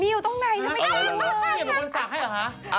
มีอยู่ตรงนี้มีคนสักให้เหรอฮะ